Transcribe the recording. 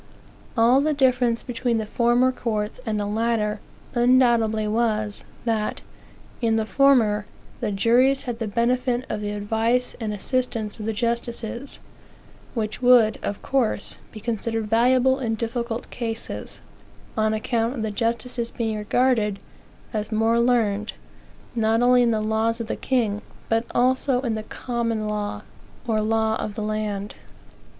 All the difference between the former courts and the latter undoubtedly was, that, in the former, the juries had the benefit of the advice and assistance of the justices, which would, of course, be considered valuable in difficult cases, on account of the justices being regarded as more learned, not only in the laws of the king, but also in the common law, or "law of the land."